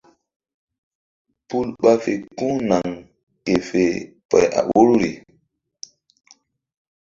Pul ɓa fe ku̧h naŋ ke fe pay a ɓoruri.